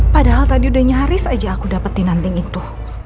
padahal tadi udah nyaris aja aku dapetin nanti itu